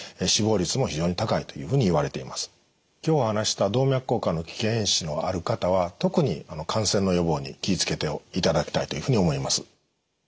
今日お話しした動脈硬化の危険因子のある方は特に感染の予防に気を付けていただきたいと思います。